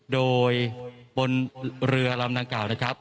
โดยบนเรือลำดังกล่าวนะครับ